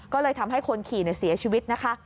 ก็เลยทำให้คนขี่เสียชีวิตนะคะ